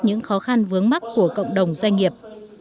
những khó khăn vướng mắt của cộng đồng doanh nghiệp